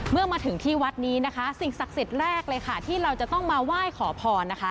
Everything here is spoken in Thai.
เมื่อมาถึงที่วัดนี้นะคะสิ่งศักดิ์สิทธิ์แรกเลยค่ะที่เราจะต้องมาไหว้ขอพรนะคะ